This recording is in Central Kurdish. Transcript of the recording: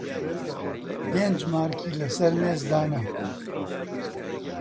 پێنج مارکی لەسەر مێز دانا: